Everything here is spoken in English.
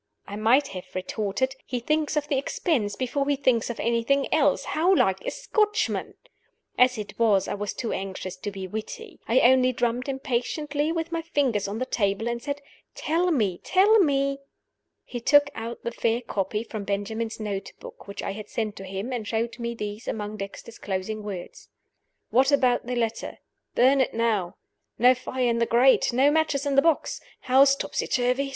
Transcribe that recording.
I might have retorted, "He thinks of the expense before he thinks of anything else. How like a Scotchman!" As it was, I was too anxious to be witty. I only drummed impatiently with my fingers on the table, and said, "Tell me! tell me!" He took out the fair copy from Benjamin's note book which I had sent to him, and showed me these among Dexter's closing words: "What about the letter? Burn it now. No fire in the grate. No matches in the box. House topsy turvy.